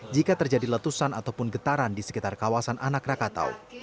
jika terjadi letusan ataupun getaran di sekitar kawasan anak rakatau